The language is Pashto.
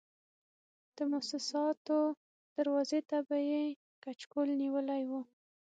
د موسساتو دروازې ته به یې کچکول نیولی و.